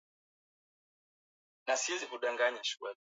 Ongeza maji au maziwa kulainisha mchanganyiko wako wa keki